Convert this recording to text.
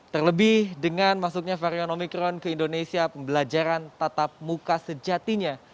terlebih dengan masuknya varian omikron ke indonesia pembelajaran tatap muka sejatinya